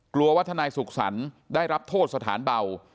กลัวว่าทนายสุขสรรค์ได้รับโทษสถานเบา